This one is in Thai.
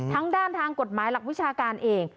ทางด้านทางกฎหมายหลักวิชาการเอง